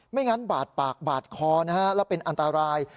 งั้นบาดปากบาดคอนะฮะแล้วเป็นอันตราย